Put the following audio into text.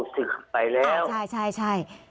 เจอแล้วครับเข้าศึกไปแล้ว